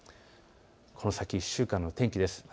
この先１週間の天気です。